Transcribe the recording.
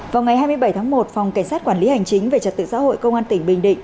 vào ngày hai mươi bảy tháng một phòng cảnh sát quản lý hành chính về trật tự xã hội công an tỉnh bình định